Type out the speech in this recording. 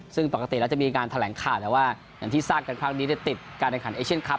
ซึ่งปกติแล้วจะมีการแถลงข่าวแต่ว่าอย่างที่สร้างกันข้างนี้ได้ติดการแนะขัน